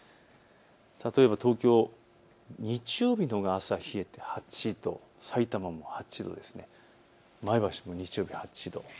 例えば東京、日曜日のほうが朝冷えて８度、さいたまも８度、前橋も日曜日８度。